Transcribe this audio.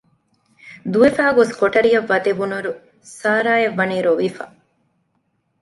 ދުވެފައި ގޮސް ކޮޓަރިއަށް ވަދެވުނުއިރު ސަރާއަށްވަނީ ރޮވިފަ